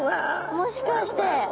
もしかして。